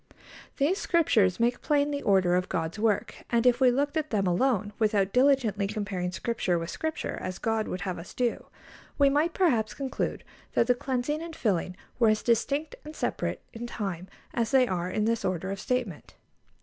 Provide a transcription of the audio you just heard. These Scriptures make plain the order of God's work, and if we looked at them alone, without diligently comparing Scripture with Scripture, as God would have us do, we might perhaps conclude that the cleansing and filling were as distinct and separate in time as they are in this order of statement.